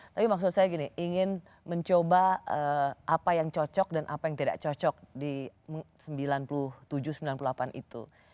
tapi maksud saya gini ingin mencoba apa yang cocok dan apa yang tidak cocok di sembilan puluh tujuh sembilan puluh delapan itu